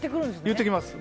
言ってきます。